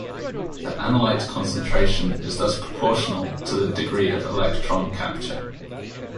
The analyte concentration is thus proportional to the degree of electron capture.